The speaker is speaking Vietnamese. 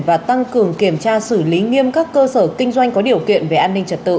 và tăng cường kiểm tra xử lý nghiêm các cơ sở kinh doanh có điều kiện về an ninh trật tự